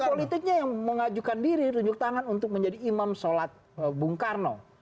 musuh politiknya yang mengajukan diri menunjuk tangan untuk menjadi imam solat bung karno